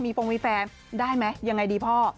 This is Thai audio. ฟงมีแฟนได้ไหมยังไงดีพ่อ